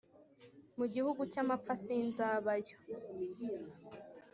mu gihugu cy’amapfa sinzabayo.